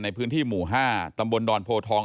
ในพื้นที่หมู่๕ตำบลดอนโพทอง